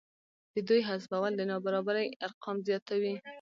د دوی حذفول د نابرابرۍ ارقام زیاتوي